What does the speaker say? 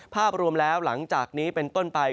ภาพรวมแล้วหลังจากนี้เป็นต้นไป